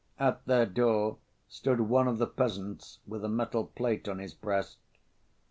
At their door stood one of the peasants with a metal plate on his breast.